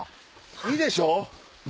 いいでしょ？